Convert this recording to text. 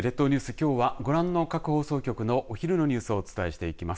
きょうはご覧の各放送局のお昼のニュースをお伝えしていきます。